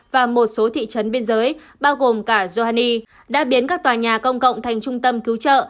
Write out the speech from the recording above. và một số thị trấn biên giới bao gồm cả giorhani đã biến các tòa nhà công cộng thành trung tâm cứu trợ